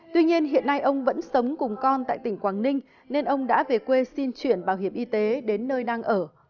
tuy nhiên hiện nay ông vẫn sống cùng con tại tỉnh quảng ninh nên ông đã về quê xin chuyển bảo hiểm y tế đến nơi đang ở